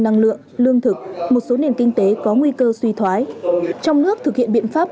năng lượng lương thực một số nền kinh tế có nguy cơ suy thoái trong nước thực hiện biện pháp